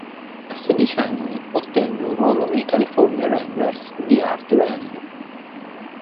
A sedici anni, ottenne un ruolo nei California Ramblers di Arthur Hand.